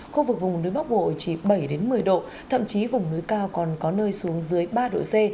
khu vực vùng núi bắc bộ chỉ bảy một mươi độ thậm chí vùng núi cao còn có nơi xuống dưới ba độ c